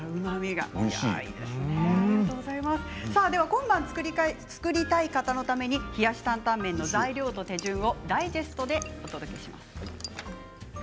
今晩作りたい方のために冷やしタンタン麺の材料と手順をダイジェストでお届けします。